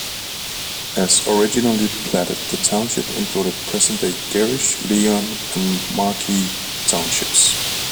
As originally platted, the township included present-day Gerrish, Lyon and Markey townships.